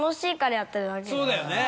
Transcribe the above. そうだよね。